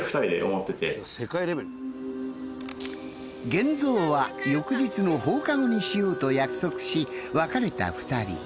現像は翌日の放課後にしようと約束し別れた２人。